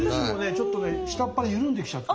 ちょっとね下っ腹ゆるんできちゃった。